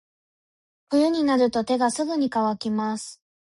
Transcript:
冬になると手がすぐに乾きます。